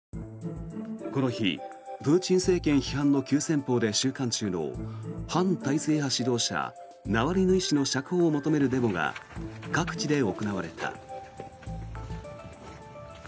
この日、プーチン政権批判の急先鋒で収監中の反体制派指導者、ナワリヌイ氏の釈放を求めるデモが各地で行われた。